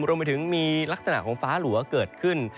รวมไปถึงมีลักษณะของฟ้าหลัวเกิดขึ้น